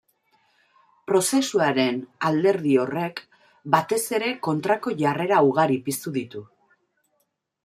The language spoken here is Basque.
Prozesuaren alderdi horrek batez ere kontrako jarrera ugari piztu ditu.